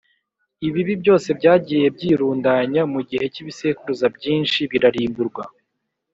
ibibi byose byagiye byirundanya mu gihe cy’ibisekuruza byinshi birarimburwa